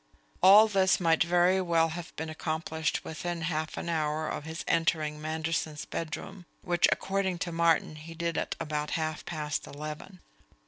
All this might very well have been accomplished within half an hour of his entering Manderson's bedroom, which according to Martin he did at about half past eleven.